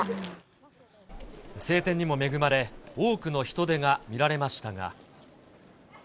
晴天にも恵まれ、多くの人出が見られましたが。